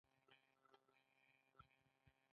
د ایران تعلیمي کال په مني کې پیلیږي.